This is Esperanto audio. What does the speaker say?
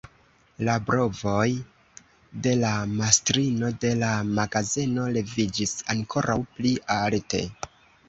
La brovoj de la mastrino de la magazeno leviĝis ankoraŭ pli alte.